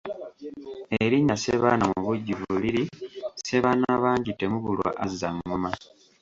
Erinnya Ssebaana mubujjuvu liri ssebaana bangi temubulwa azza ngoma.